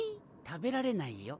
食べられないよ。